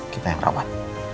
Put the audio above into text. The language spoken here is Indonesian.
kita yang rawat